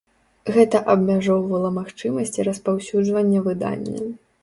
Гэта абмяжоўвала магчымасці распаўсюджвання выдання.